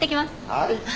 はい。